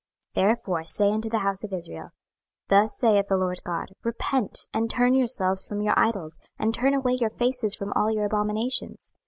26:014:006 Therefore say unto the house of Israel, Thus saith the Lord GOD; Repent, and turn yourselves from your idols; and turn away your faces from all your abominations.